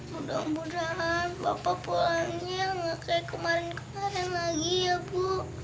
mudah mudahan bapak pulangnya sama kayak kemarin kemarin lagi ya bu